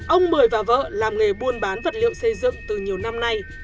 ông mười và vợ làm nghề buôn bán vật liệu xây dựng từ nhiều năm nay